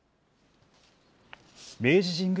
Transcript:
明治神宮